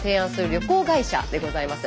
旅行会社でございます。